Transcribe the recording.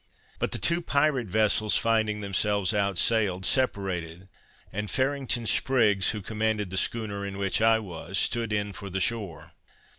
But the two pirate vessels finding themselves outsailed, separated, and Farrington Spriggs, who commanded the schooner in which I was, stood in for the shore.